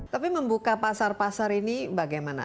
tapi membuka pasar pasar ini bagaimana